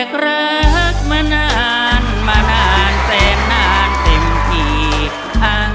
เชิญคุณสุเทพเลยครับ